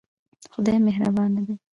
خدای مهربان دی